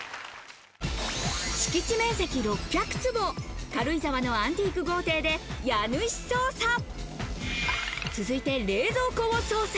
敷地面積６００坪、軽井沢のアンティーク豪邸で家主捜査。